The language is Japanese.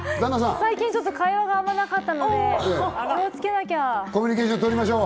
最近、会話があまりなかったので、気をつけなきゃ。